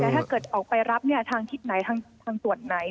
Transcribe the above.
แต่ถ้าเกิดออกไปรับทางทิศไหนทางส่วนไหน